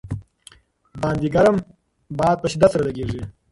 باندې ګرم باد په شدت سره لګېږي.